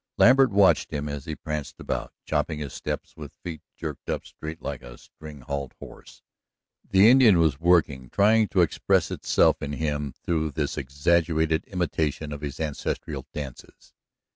Lambert watched him as he pranced about, chopping his steps with feet jerked up straight like a string halt horse. The Indian was working, trying to express itself in him through this exaggerated imitation of his ancestral dances.